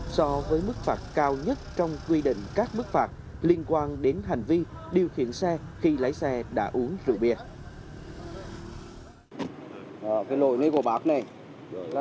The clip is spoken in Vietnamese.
so với mức phạt cao nhất trong quy định các mức phạt liên quan đến hành vi điều khiển xe khi lái xe đã uống rượu bia